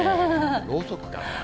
ろうそくかな？